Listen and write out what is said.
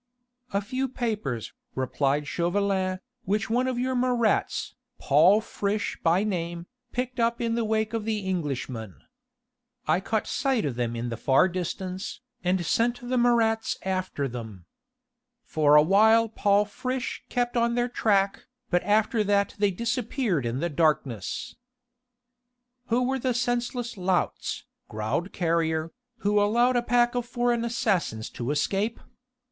"A few papers," replied Chauvelin, "which one of your Marats, Paul Friche by name, picked up in the wake of the Englishmen. I caught sight of them in the far distance, and sent the Marats after them. For awhile Paul Friche kept on their track, but after that they disappeared in the darkness." "Who were the senseless louts," growled Carrier, "who allowed a pack of foreign assassins to escape?